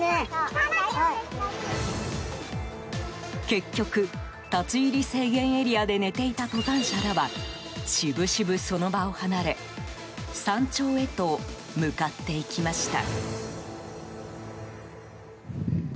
結局、立ち入り制限エリアで寝ていた登山者らはしぶしぶその場を離れ山頂へと向かっていきました。